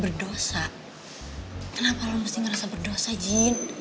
berdosa kenapa lo mesti ngerasa berdosa jin